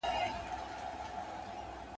ټولنپوهنه د انساني ټولنې پر پوهيدلو تمرکز کوي.